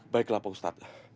baiklah pak ustadz